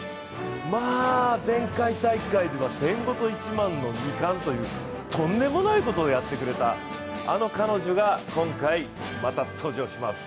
まあ、前回大会の１５００と１００００の２冠というとんでもないことをやってくれたあの彼女が今回、また登場します。